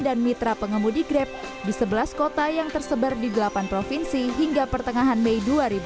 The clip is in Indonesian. dan mitra pengemudi grab di sebelah kota yang tersebar di delapan provinsi hingga pertengahan mei dua ribu dua puluh